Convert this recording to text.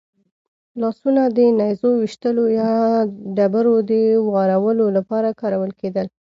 لاسونه د نېزو ویشتلو یا ډبرو د وارولو لپاره کارول کېدل.